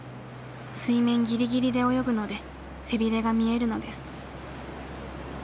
水面ギリギリで泳ぐので背びれが見えるのです。